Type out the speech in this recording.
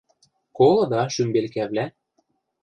Колыда, шӱмбелкӓвлӓ?..